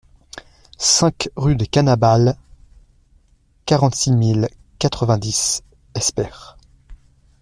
cinq rue des Canabals, quarante-six mille quatre-vingt-dix Espère